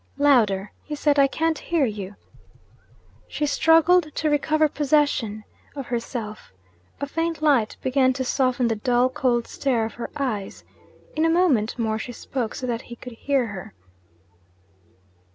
'Louder,' he said. 'I can't hear you.' She struggled to recover possession of herself. A faint light began to soften the dull cold stare of her eyes. In a moment more she spoke so that he could hear her.